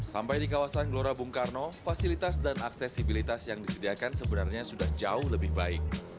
sampai di kawasan gelora bung karno fasilitas dan aksesibilitas yang disediakan sebenarnya sudah jauh lebih baik